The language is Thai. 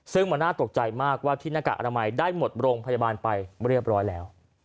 ซึ่งมันน่าตกใจมากว่าที่หน้ากากอนามัยได้หมดโรงพยาบาลไปเรียบร้อยแล้ว